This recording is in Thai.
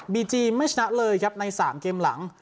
ีจีไม่ชนะเลยครับใน๓เกมหลัง